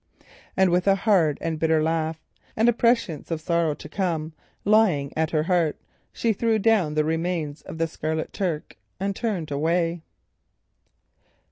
And with a hard and bitter laugh, and a prescience of sorrow to come lying at the heart, she threw down the remains of the Scarlet Turk and turned away.